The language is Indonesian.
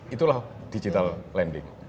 itulah digital lending